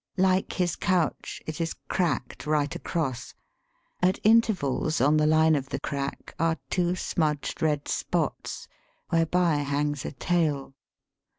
Like his couch, it is cracked right across. At intervals on the line of the crack are two smudged red spots, whereby hangs a tale.